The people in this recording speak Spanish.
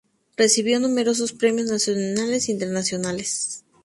Recibió numerosos premios nacionales e internacionales.